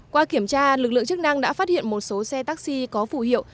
qua kiểm tra lực lượng chức năng đã phát hiện một số xe taxi có phủ hiệu